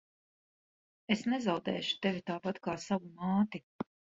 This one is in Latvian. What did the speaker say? Es nezaudēšu tevi tāpat kā savu māti.